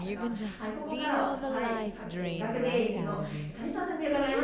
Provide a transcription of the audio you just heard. ここからは学芸員の蟹沢さんに伺います。